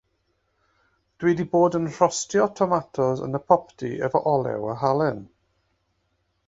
Dw i 'di bod yn rhostio tomatos yn y popdy efo olew a halen.